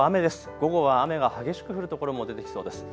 午後は雨が激しく降る所も出てきそうです。